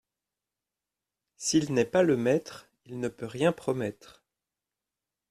S'il n'est pas le maître, il ne peut rien promettre.